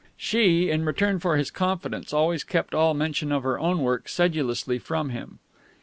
She, in return for his confidence, always kept all mention of her own work sedulously from him.